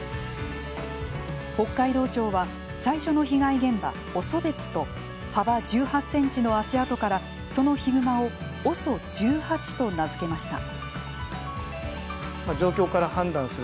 北海道庁は、最初の被害現場オソベツと幅１８センチの足跡からそのヒグマを「ＯＳＯ１８」と名付けました。